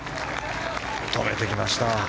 止めてきました。